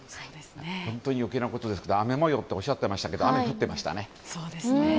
本当に余計なことですが雨模様っておっしゃってましたけど雨降ってましたね。